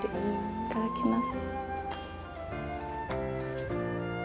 いただきます。